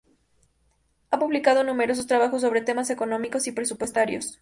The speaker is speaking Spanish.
Ha publicado numerosos trabajos sobre temas económicos y presupuestarios.